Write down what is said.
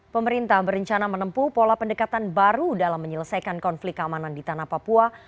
pemerintah berencana menempuh pola pendekatan baru dalam menyelesaikan konflik keamanan di tanah papua